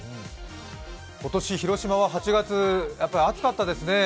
今年、広島は８月、やっぱり暑かったですね。